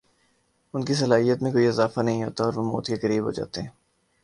ان کی صلاحیت میں کوئی اضافہ نہیں ہوتا اور وہ موت کےقریب ہوجاتے ہیں